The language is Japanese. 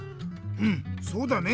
うんそうだね。